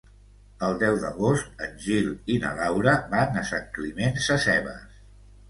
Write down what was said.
El deu d'agost en Gil i na Laura van a Sant Climent Sescebes.